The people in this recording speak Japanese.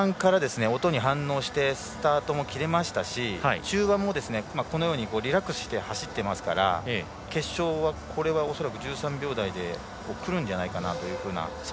前半から音に反応してスタートも切れましたし、中盤もリラックスして走っていますから決勝は恐らく１３秒台でくるんじゃないかなと。